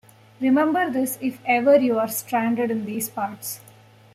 Remember this if ever you are stranded in these parts.